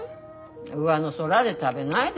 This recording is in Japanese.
うわの空で食べないで。